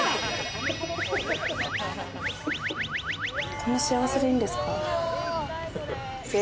こんな幸せでいいんですか？